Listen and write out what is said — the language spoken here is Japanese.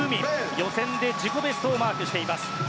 予選で自己ベストをマークしています。